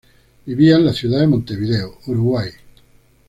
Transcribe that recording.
Vivía en la ciudad de Montevideo, Uruguay.